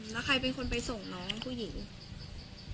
แล้วใครเป็นคนไปส่งน้องผู้หญิง